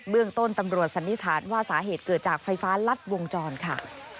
เรื่องต้นตำรวจสันนิษฐานว่าสาเหตุเกิดจากไฟฟ้ารัดวงจรค่ะ